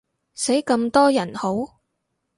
死咁多人好？